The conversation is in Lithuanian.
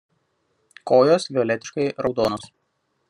Kojos violetiškai raudonos.